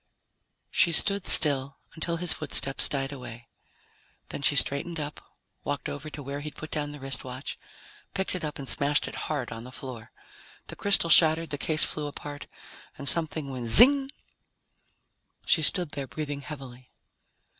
She stood still until his footsteps died away. Then she straightened up, walked over to where he'd put down the wristwatch, picked it up and smashed it hard on the floor. The crystal shattered, the case flew apart, and something went zing! She stood there breathing heavily.